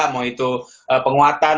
mau itu penguatan